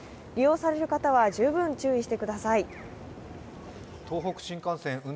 利用される方は十分注意してください。